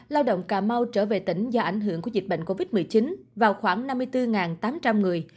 lao động cà mau trở về tỉnh do ảnh hưởng của dịch bệnh covid một mươi chín vào khoảng năm mươi bốn tám trăm linh người